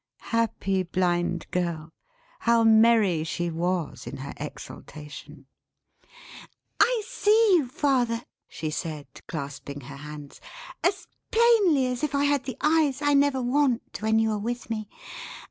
Happy Blind Girl! How merry she was, in her exultation! "I see you, father," she said, clasping her hands, "as plainly, as if I had the eyes I never want when you are with me.